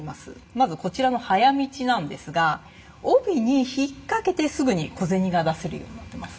まずこちらの「早道」なんですが帯に引っかけてすぐに小銭が出せるようになってます。